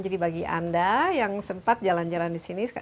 jadi bagi anda yang sempat jalan jalan di sini